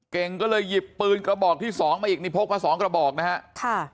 เก่งก็เลยหยิบปืนกระบอกที่๒มาอีกนี่พบกับ๒กระบอกนะฮะ